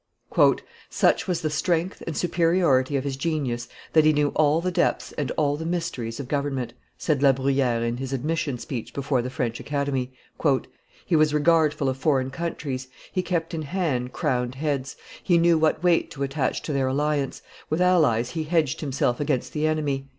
"Such was the strength and superiority of his genius that he knew all the depths and all the mysteries of government," said La Bruyere in his admission speech before the French Academy; "he was regardful of foreign countries, he kept in hand crowned heads, he knew what weight to attach to their alliance; with allies he hedged himself against the enemy.